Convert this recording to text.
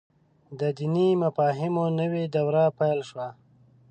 د دیني مفاهیمو نوې دوره پيل شوه.